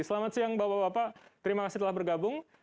selamat siang bapak bapak terima kasih telah bergabung